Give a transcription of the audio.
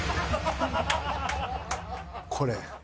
これ。